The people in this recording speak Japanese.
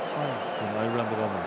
アイルランド側の。